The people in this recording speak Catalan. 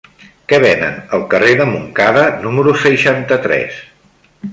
Què venen al carrer de Montcada número seixanta-tres?